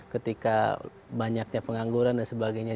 ketika banyaknya pengangguran dan sebagainya